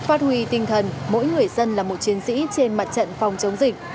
phát huy tinh thần mỗi người dân là một chiến sĩ trên mặt trận phòng chống dịch